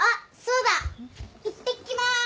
いってきます。